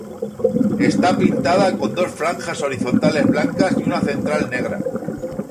Está pintada con dos franjas horizontales blancas y una central negra.